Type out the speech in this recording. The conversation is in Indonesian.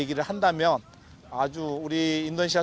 saya berharap untuk fans indonesia